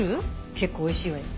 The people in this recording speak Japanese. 結構おいしいわよ。